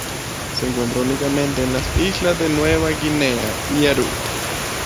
Se encuentra únicamente en las islas de Nueva Guinea y Aru.